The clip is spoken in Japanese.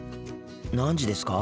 何時ですか？